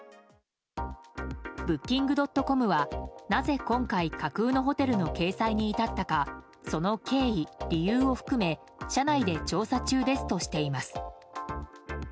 ブッキング・ドットコムはなぜ今回、架空のホテルの掲載に至ったかその経緯、理由を含め社内で調査中ですとしています。